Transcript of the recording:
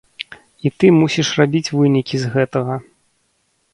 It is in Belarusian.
І ты мусіш рабіць вынікі з гэтага.